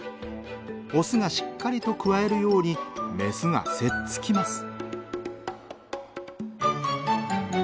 オスがしっかりとくわえるようにメスがせっつきます。